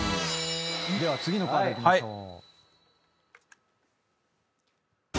では次のカードいきましょう。